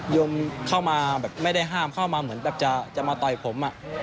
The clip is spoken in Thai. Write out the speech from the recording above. ยมเข้ามาแบบไม่ได้ห้ามเข้ามาเหมือนแบบจะมาต่อยผม